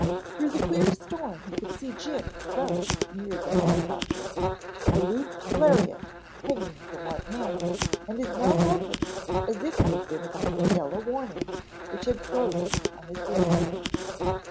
Through the queer storm he could see Jim crouched near the helicopter, the looped lariat hanging from one hand and his mouth open as if he had been about to yell a warning which had frozen on his lips.